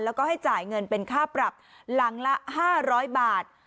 แล้วก็ให้จ่ายเงินเป็นค่าปรับหลังละ๕๐๐บาท